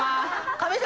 神様。